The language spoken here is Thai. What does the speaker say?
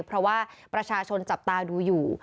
เพราะว่าประชาชนจับตาดูอยู่